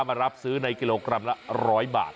มารับซื้อในกิโลกรัมละ๑๐๐บาท